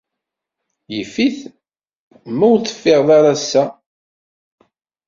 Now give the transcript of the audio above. Yif-it ma ur teffiɣed ara ass-a.